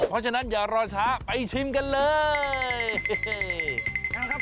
เพราะฉะนั้นอย่ารอช้าไปชิมกันเลย